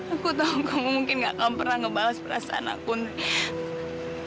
aku tahu kamu mungkin gak akan pernah ngebalas perasaan aku nih